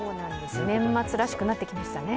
年末らしくなってきましたね。